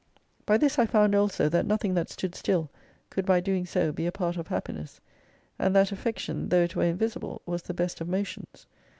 By this I found also that nothing that stood still, could by doing so be a part of Happiness : and that affection, though it were invisible, was the best of motions.